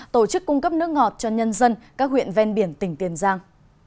tổ chức cung cấp nước ngọt cho nhân dân các huyện ven biển tỉnh tiền giang